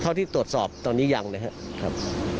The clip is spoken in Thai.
เท่าที่ตรวจสอบตอนนี้ยังนะครับ